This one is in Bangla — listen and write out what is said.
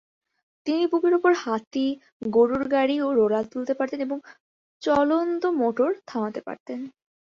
তিনি বুকের উপর হাতি, গরুর গাড়ি ও রোলার তুলতে পারতেন এবং চলন্ত মটর থামাতে পারতেন।